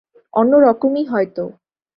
অন্য রকমই হয়তো।